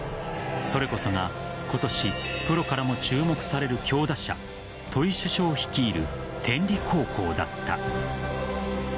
それこそが、今年プロからも注目される強打者戸井主将率いる天理高校だった。